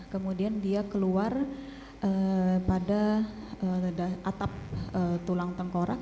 kemudian dia keluar pada atap tulang tengkorak